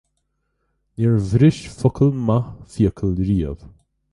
Níor bhris focal maith fiacail riamh